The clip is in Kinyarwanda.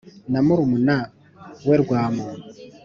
Na murumuna we Rwamu